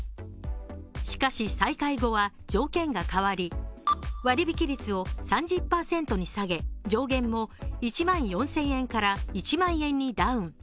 しかし再開後は条件が変わり、割引率を３０％に下げ上限も１万４０００円から１万円にダウン。